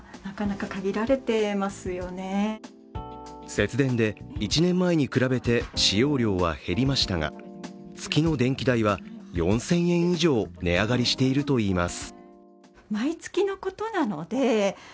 節電で１年前に比べて使用量は減りましたが、月の電気代は４０００円以上、値上がりしているといいます。